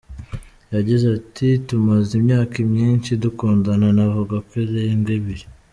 Yagize ati “Tumaze imyaka myinshi dukundana, navuga ko irenga ibiri.